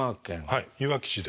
はいいわき市です。